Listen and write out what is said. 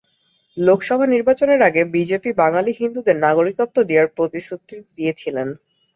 লোকসভা নির্বাচনের আগে বিজেপি বাঙালি হিন্দুদের নাগরিকত্ব দেওয়ার প্রতিশ্রুতি দিয়েছিল।